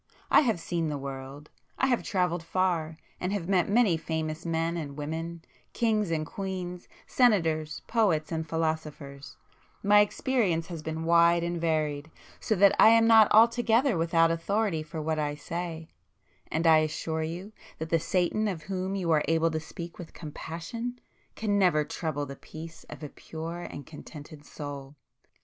I have seen the world; I have travelled far, and have met many famous men and women,—kings and queens, senators, poets and philosophers,—my experience has been wide and varied, so that I am not altogether without authority for what I say,—and I assure you that the Satan of whom you are able to speak with compassion, can never trouble the peace of a pure and contented soul.